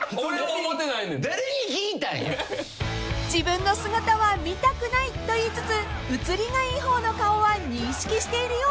［自分の姿は見たくないと言いつつ映りがいい方の顔は認識しているようで］